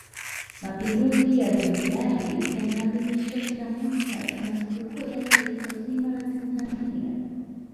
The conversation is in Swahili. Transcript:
mapinduzi ya Zanzibar yanaadhimishwa kila mwaka kama sikukuu ya taifa zima la Tanzania